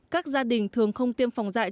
các gia đình thường không tiêm phòng dại